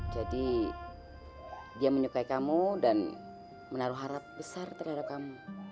jadi dia menyukai kamu dan menaruh harap besar terhadap kamu